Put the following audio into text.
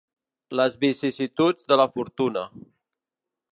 Les vicissituds de la fortuna.